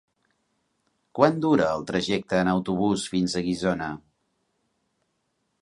Quant dura el trajecte en autobús fins a Guissona?